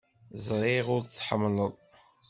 Ẓriɣ ur t-tḥemmleḍ.